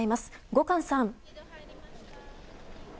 後閑さん。